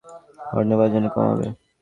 Horn বাজানো কমাবে?